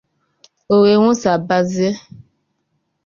o wee nwúsàbazie